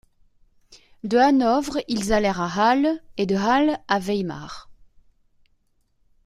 De Hanovre ils allèrent à Halle et de Halle à Weimar.